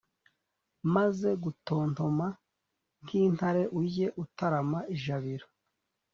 Maze gutontoma nk’intare, ujye utarama ijabiro.